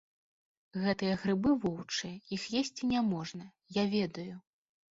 Гэтыя грыбы воўчыя, іх есці няможна, я ведаю.